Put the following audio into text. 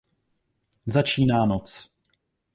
Začíná noc.